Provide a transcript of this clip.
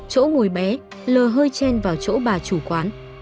chỗ ngồi bé lờ hơi chen vào chỗ bà chủ quán